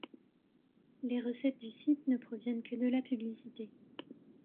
Les recettes du site ne proviennent que de la publicité.